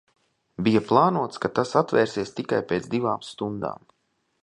Bija plānots, ka tas atvērsies tikai pēc divām stundām.